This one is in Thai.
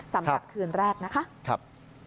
สำหรับคืนแรกนะคะ